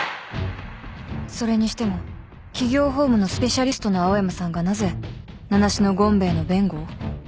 それにしても企業法務のスペシャリストの青山さんがなぜ名無しの権兵衛の弁護を？